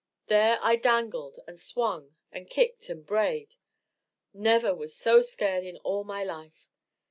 There I dangled and swung and kicked and brayed. Never was so scared in all my life.